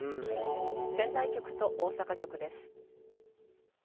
仙台局と大阪局です。